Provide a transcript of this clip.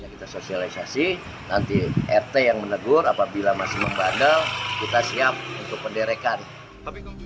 kita sosialisasi nanti rt yang menegur apabila masih membandel kita siap untuk penderekan